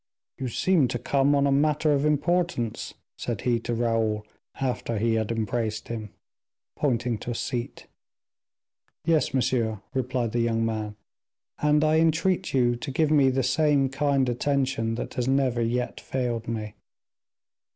"You seem to come on a matter of importance," said he to Raoul, after he had embraced him, pointing to a seat. "Yes, monsieur," replied the young man; "and I entreat you to give me the same kind attention that has never yet failed me."